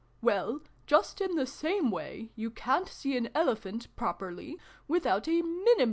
Well, just in the same way, you ca'n't see an Ele phant, properly, without a mimmi/yzng g\ass.